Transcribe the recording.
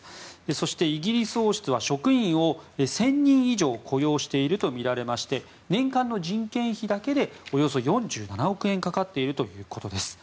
そしてイギリス王室は職員を１０００人以上雇用しているとみられまして年間の人件費だけでおよそ４７億円かかっているということです。